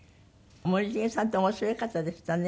森繁さんって面白い方でしたね